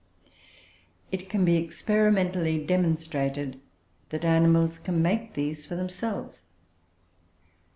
It can be experimentally demonstrated that animals can make these for themselves.